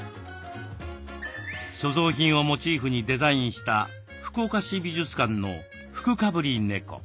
所蔵品をモチーフにデザインした福岡市美術館の「福かぶり猫」。